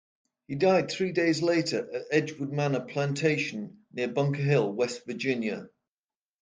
He died three days later at Edgewood Manor plantation near Bunker Hill, West Virginia.